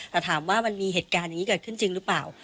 แต่ถามว่ามันมีเหตุการณ์อย่างนี้เกิดขึ้นจริงหรือเปล่า